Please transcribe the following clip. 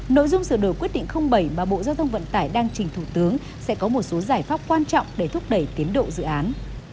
nội dung sửa đổi quyết định bảy mà bộ giao thông vận tải đang trình thủ tướng sẽ có một số giải pháp quan trọng để thúc đẩy tiến độ dự án